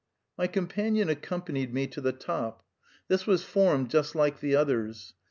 My companion accompanied me to the top. This was formed just like the others.